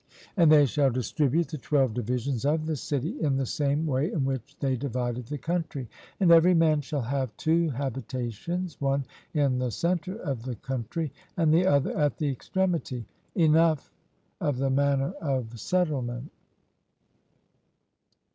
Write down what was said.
And they shall distribute the twelve divisions of the city in the same way in which they divided the country; and every man shall have two habitations, one in the centre of the country, and the other at the extremity. Enough of the manner of settlement.